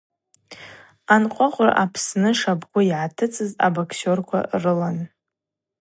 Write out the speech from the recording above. Анкъвакъвраква Апсны шабгу йгӏатыцӏыз абоксерква рылан.